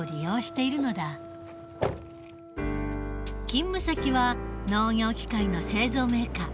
勤務先は農業機械の製造メーカー。